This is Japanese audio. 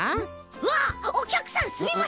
うわっおきゃくさんすみません！